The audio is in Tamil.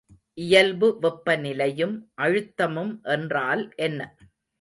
இயல்பு வெப்பநிலையும் அழுத்தமும் என்றால் என்ன?